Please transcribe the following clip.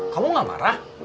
kamu nggak marah